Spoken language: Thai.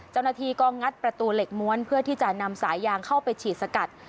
เจ้าหน้าที่ก็งัดประตูเหล็กม้วนเพื่อที่จะนำสายยางเข้าไปฉีดสกัด